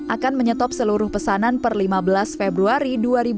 akan menyetop seluruh pesanan per lima belas februari dua ribu dua puluh